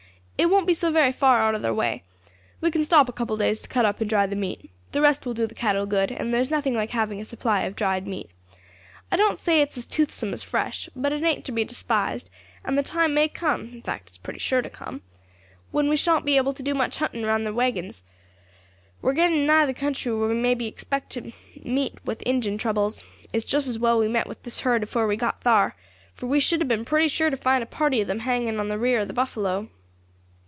It won't be so very far out of thar way. We can stop a couple of days to cut up and dry the meat. The rest will do the cattle good, and there's nothing like having a supply of dried meat; I don't say it's as toothsome as fresh, but it ain't ter be despised, and the time may come, in fact it's pretty sure to come, when we shan't be able to do much hunting round the waggons. We are getting nigh the country where we may expect to meet with Injin troubles. It's just as well we met with this herd afore we got thar, for we should have been pretty sure to find a party of them hanging on the rear of the buffalo."